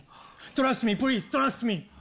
トラストミープリーズトラストミー。